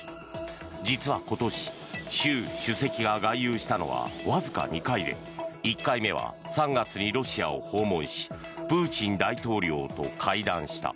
実は今年、習主席が外遊したのはわずか２回で１回目は３月にロシアを訪問しプーチン大統領と会談した。